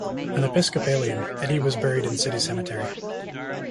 An Episcopalian, Eddy was buried in City Cemetery.